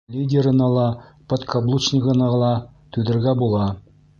Лидерына ла, подкаблучнигына ла түҙергә була.